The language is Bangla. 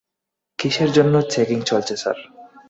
কিসের জন্য চেকিং চলছে, স্যার?